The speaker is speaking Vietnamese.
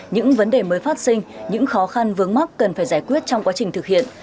những vấn đề mới phát sinh những khó khăn vướng mắc cần phải giải quyết trong quá trình thực hiện